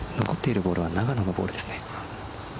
残っているボールは永野のボールですね。